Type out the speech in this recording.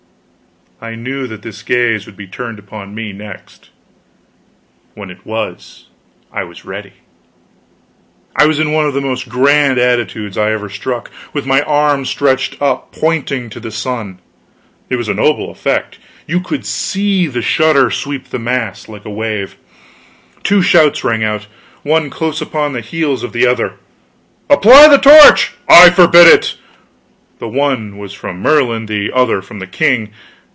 I knew that this gaze would be turned upon me, next. When it was, I was ready. I was in one of the most grand attitudes I ever struck, with my arm stretched up pointing to the sun. It was a noble effect. You could see the shudder sweep the mass like a wave. Two shouts rang out, one close upon the heels of the other: "Apply the torch!" "I forbid it!" The one was from Merlin, the other from the king.